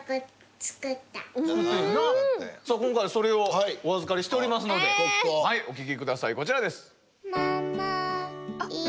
今回それをお預かりしておりますのではいお聴きくださいこちらです。